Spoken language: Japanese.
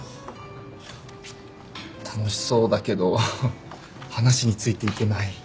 楽しそうだけど話についていけない。